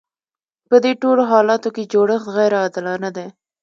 په دې ټولو حالاتو کې جوړښت غیر عادلانه دی.